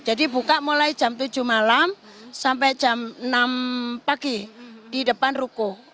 jadi buka mulai jam tujuh malam sampai jam enam pagi di depan ruko